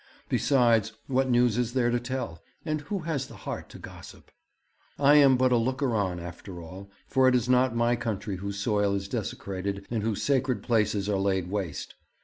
Besides, what news is there to tell, and who has the heart to gossip? 'I am but a looker on after all, for it is not my country whose soil is desecrated and whose sacred places are laid waste.